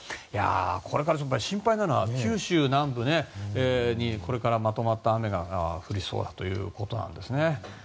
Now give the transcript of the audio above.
これから心配なのは九州南部にまとまった雨が降りそうだということなんですね。